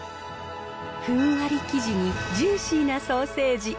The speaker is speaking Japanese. ふんわり生地にジューシーなソーセージ。